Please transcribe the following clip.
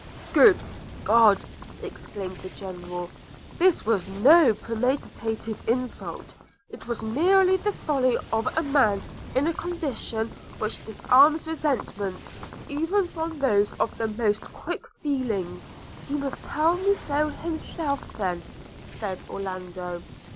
'Good God!' exclaimed the General, 'this was no premeditated insult; it was merely the folly of a man in a condition which disarms resentment, even from those of the most quick feelings.' 'He must tell me so himself, then,' said Orlando.